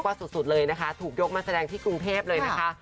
สุดเลยนะคะถูกยกมาแสดงที่กรุงเทพเลยนะคะ